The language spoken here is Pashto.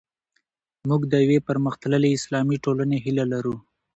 موږ د یوې پرمختللې اسلامي ټولنې هیله لرو.